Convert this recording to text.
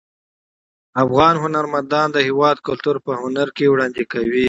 افغان هنرمندان د هیواد کلتور په هنر کې وړاندې کوي.